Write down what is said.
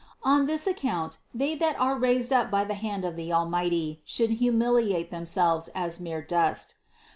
On this account they that are raised up by the hand of the Almighty, should humiliate themselves as mere dust.